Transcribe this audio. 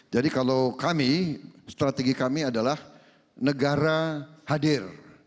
jadi kalau kami strategi kami adalah negara hadir